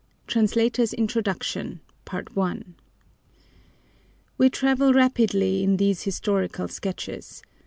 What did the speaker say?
TRANSLATOR'S INTRODUCTION I "We travel rapidly in these historical sketches.